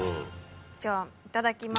じゃあいただきます。